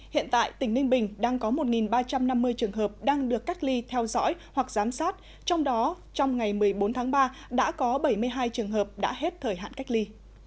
hiện tại tỉnh ninh bình đang có một ba trăm năm mươi trường hợp đang được cách ly theo dõi hoặc giám sát trong đó trong ngày một mươi bốn tháng ba đã có bảy mươi hai trường hợp đã hết thời hạn cách ly